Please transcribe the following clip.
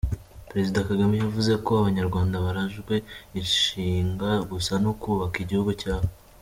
Perezida Kagame yavuze ko Abanyarwanda barajwe ishinga gusa no kubaka igihugu cyabo.